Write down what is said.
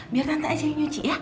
biar tante aja yang nyuci ya